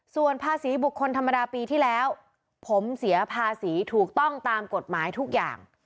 ส่วนภาษีบุคคลธรรมดาปีที่แล้วผมเสียภาษีถูกต้องตามกฎหมายทุกอย่าง